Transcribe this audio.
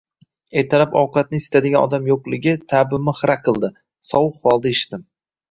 Ertalab ovqatni isitadigan odam yo`qligi ta`bimni xira qildi, sovuq holda ichdim